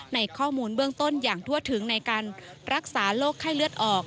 ในข้อมูลเบื้องต้นอย่างทั่วถึงในการรักษาโรคไข้เลือดออก